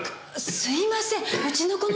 すいませんうちの子のが。